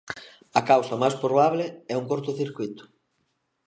A causa máis probable é un curtocircuíto.